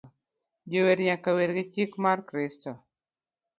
Jower nyaka wer gi chik mar Kristo